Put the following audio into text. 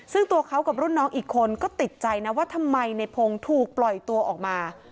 ซึ่งตัวเขากับรุ่นน้องอีกคนก็ติดใจนะว่าทำไมในพงศ์ถูกปล่อยตัวออกมา